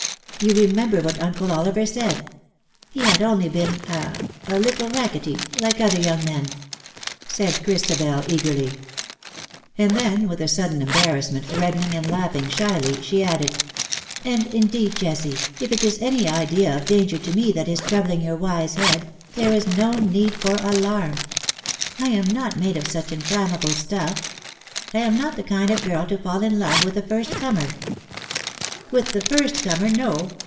You remember what Uncle Oliver said — he had only been — a — a little racketty, like other young men/^ said Christabel, eagerly; and then, with a sudden embarrassment, reddening and laughing shyly, she added, ^^ and indeed, Jessie, if it is any idea of danger to me that is troubling your wise head, there is no need for alarm. I am not made of such inflam mable stuff" — I am not the kind of girl to fall in love with the first comer." " With the first comer no